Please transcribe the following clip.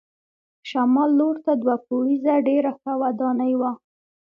شمال لور ته دوه پوړیزه ډېره ښه ودانۍ وه.